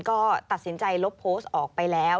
ก็ตัดสินใจลบโพสต์ออกไปแล้ว